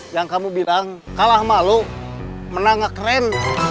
yang kamu bilang kalah malu menang gak keren